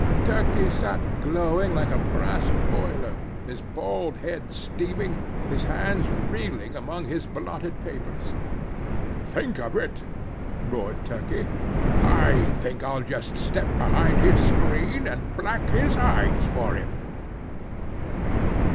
Turkey sat glowing like a brass boiler, his bald head steaming, his hands reeling among his blotted papers. "Think of it?" roared Turkey; "I think I'll just step behind his screen, and black his eyes for him!"